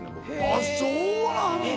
あっそうなんだ